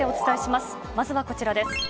まずはこちらです。